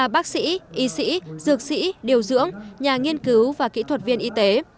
ba bác sĩ y sĩ dược sĩ điều dưỡng nhà nghiên cứu và kỹ thuật viên y tế